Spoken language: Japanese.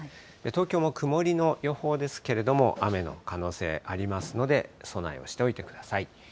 東京も曇りの予報ですけれども、雨の可能性ありますので、備えをしておいてください。